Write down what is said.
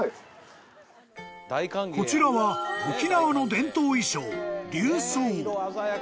［こちらは沖縄の伝統衣装］